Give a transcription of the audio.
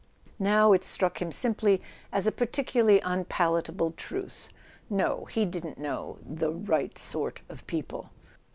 Now it struck him simply as a particularly unpalatable truth. No, he didn't know "the right sort of people"